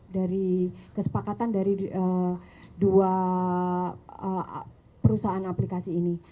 dari kesepakatan dari dua perusahaan aplikasi ini